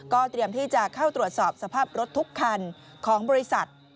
เตรียมที่จะเข้าตรวจสอบสภาพรถทุกคันของบริษัท